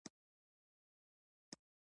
د نیک ماد خیاط راډیو فلپس وه.